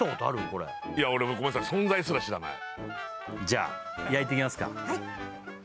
これいや俺もごめんなさい存在すら知らないじゃあ焼いていきますかはい！